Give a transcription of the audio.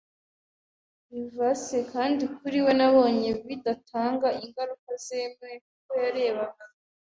Livesey, kandi kuri we nabonye bidatanga ingaruka zemewe, kuko yarebaga